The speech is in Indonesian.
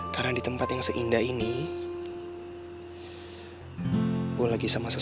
karena di tempat yang seindah ini gue bisa berbicara sama siapa